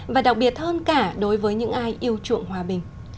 và đặc biệt hơn cả đối với những ai yêu chuộng hòa bình